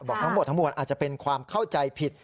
ทั้งหมดทั้งมวลอาจจะเป็นความเข้าใจผิด